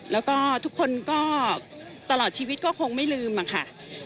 แล้วก็ทุกคนก็ตลอดชีวิตก็คงไม่ลืมอะค่ะ